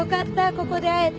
ここで会えて。